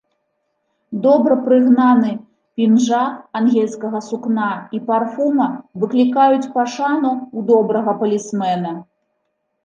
Добра прыгнаны пінжак ангельскага сукна і парфума выклікаюць пашану ў добрага палісмена.